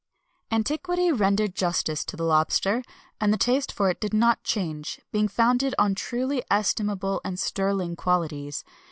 Antiquity rendered justice to the lobster, and the taste for it did not change, being founded on truly estimable and sterling qualities.